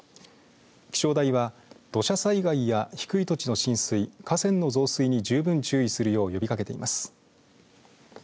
気象台は土砂災害や低い土地の浸水河川の増水に十分注意するよう呼びかけています。